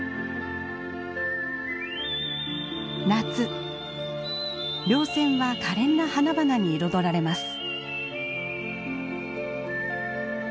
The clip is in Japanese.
夏りょう線はかれんな花々に彩られます。